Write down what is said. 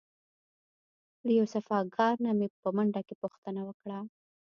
له یو صفاکار نه مې په منډه کې پوښتنه وکړه.